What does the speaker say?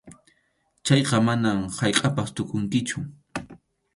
Chayqa manam haykʼappas tukunkichu.